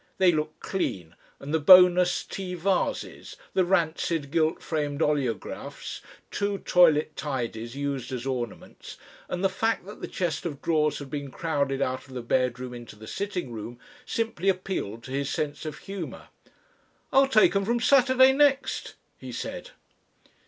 They looked clean, and the bonus tea vases, the rancid, gilt framed oleographs, two toilet tidies used as ornaments, and the fact that the chest of drawers had been crowded out of the bedroom into the sitting room, simply appealed to his sense of humour. "I'll take 'em from Saturday next," he said.